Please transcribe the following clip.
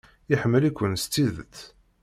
Iḥemmel-iken s tidet.